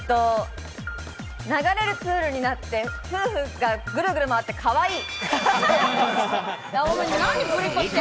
流れるプールになって夫婦がグルグル回って、かわいい。